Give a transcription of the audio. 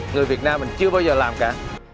người việt nam mình chưa bao giờ làm cả